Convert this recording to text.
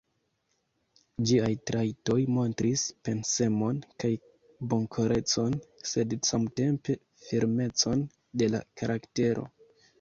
Ĝiaj trajtoj montris pensemon kaj bonkorecon, sed, samtempe, firmecon de la karaktero.